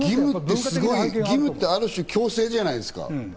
義務ってある種強制じゃないですか。